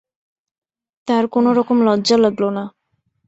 তার কোনো রকম লজ্জা লাগল না।